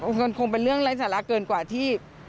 มันคงเป็นเรื่องไร้สาระเกินกว่าที่